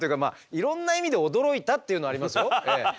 いろんな意味で驚いたっていうのありますよ。